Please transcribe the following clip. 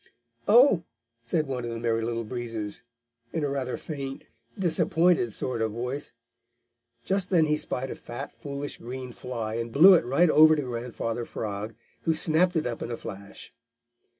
"Oh!" said one of the Merry Little Breezes, in a rather faint, disappointed sort of voice. Just then he spied a fat, foolish, green fly and blew it right over to Grandfather Frog, who snapped it up in a flash.